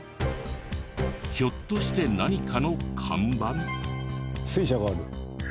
ひょっとして何かの看板？水車がある。